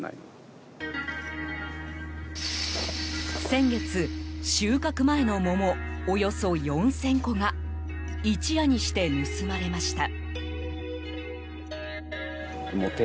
先月、収穫前の桃およそ４０００個が一夜にして盗まれました。